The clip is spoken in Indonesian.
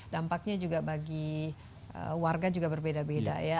dampaknya juga bagi warga juga berbeda beda ya